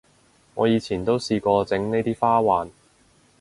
我以前都試過整呢啲花環